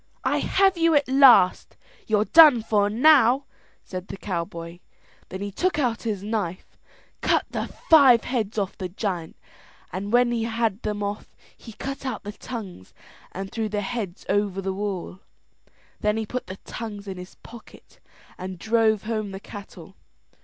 "I have you at last; you're done for now!", said the cowboy. Then he took out his knife, cut the five heads off the giant, and when he had them off he cut out the tongues and threw the heads over the wall. Then he put the tongues in his pocket and drove home the cattle.